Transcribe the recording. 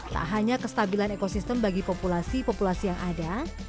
tak hanya kestabilan ekosistem bagi populasi populasi yang ada